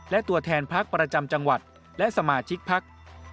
และตัวแทนพักประจำจังหวัดและสมาชิกพัก